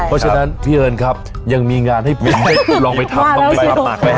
เพราะฉะนั้นพี่เอิญครับยังมีงานให้พี่ให้ลองไปทำว่าแล้วทำปักเลย